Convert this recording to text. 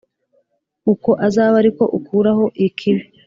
Uko azabe ari ko ukuraho ikibi